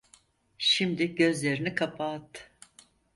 Şimdi gözlerini kapat.